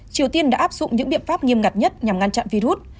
triều tiên đã áp dụng những biện pháp nghiêm ngặt nhất nhằm ngăn chặn virus